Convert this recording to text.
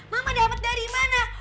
mama dapat dari mana